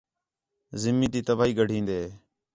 زمین تی تباہی گڈھین٘دے